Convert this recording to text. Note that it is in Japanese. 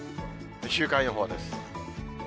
週間予報です。